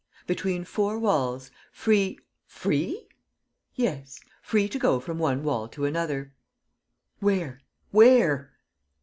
"Between four walls, free. ..." "Free?" "Yes, free to go from one wall to another." "Where? Where?"